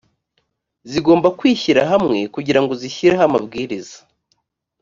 zigomba kwishyira hamwe kugira ngo zishyireho amabwiriza